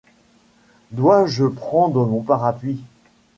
Dois-je prendre mon parapluie ?